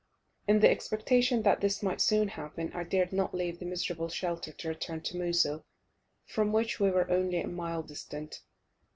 In the expectation that this might soon happen, I dared not leave the miserable shelter to return to Mosul, from which we were only a mile distant.